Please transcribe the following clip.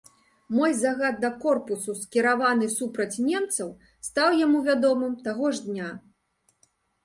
Мой загад да корпусу, скіраваны супраць немцаў, стаў яму вядомым таго ж дня.